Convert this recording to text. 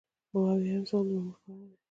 اووه اویایم سوال د مامور په اړه دی.